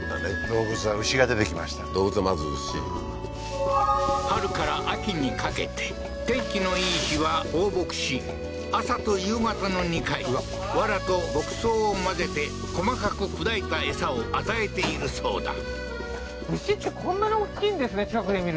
動物はまず牛春から秋にかけて天気のいい日は放牧し朝と夕方の２回わらと牧草を混ぜて細かく砕いた餌を与えているそうだ